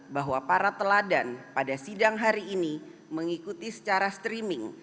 bahwa para teladan pada sidang hari ini mengikuti secara streaming